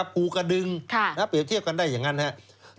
ภูกระดึงเปรียบเทียบกันได้อย่างนั้นครับ